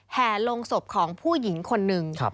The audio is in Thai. แห่ลงศพของผู้หญิงคนหนึ่ง